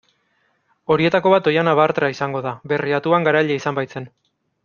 Horietako bat Oihana Bartra izango da, Berriatuan garaile izan baitzen.